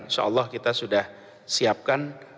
insyaallah kita sudah siapkan